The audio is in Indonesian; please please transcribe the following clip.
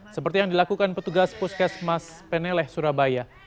seperti yang dilakukan petugas puskesmas peneleh surabaya